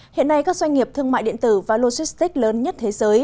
hiện nay các doanh nghiệp thương mại điện tử và logistics lớn nhất thế giới